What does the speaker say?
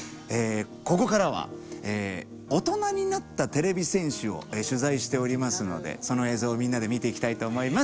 ここからはオトナになったてれび戦士を取材しておりますのでその映像をみんなで見ていきたいと思います。